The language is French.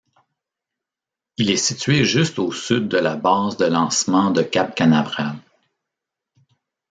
Il est situé juste au sud de la base de lancement de Cap Canaveral.